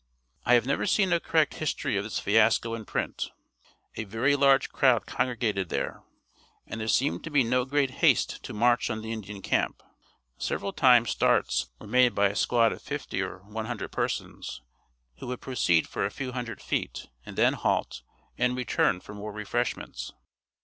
I have never seen a correct history of this fiasco in print. A very large crowd congregated there, and there seemed to be no great haste to march on the Indian camp. Several times starts were made by a squad of fifty or one hundred persons, who would proceed for a few hundred feet, and then halt and return for more refreshments.